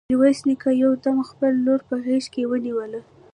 ميرويس نيکه يو دم خپله لور په غېږ کې ونيوله.